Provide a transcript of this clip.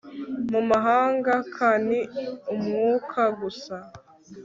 mu mahanga k ni umwuka gusa